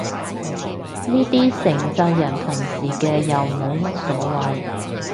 呢啲成咋人同時嘅又冇乜所謂